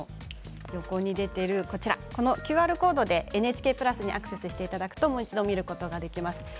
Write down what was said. ＱＲコードでＮＨＫプラスでアクセスしていただくともう一度見ることができます。